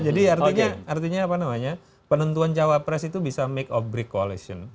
jadi artinya apa namanya penentuan jawab pres itu bisa make or break coalition